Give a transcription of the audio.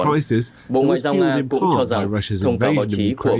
bộ ngoại giao nga cũng cho rằng thông cáo bảo trí của ukraine